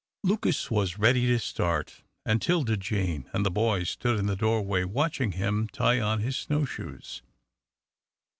Lucas was ready to start, and 'Tilda Jane and the boys stood in the doorway watching him tie on his snow shoes.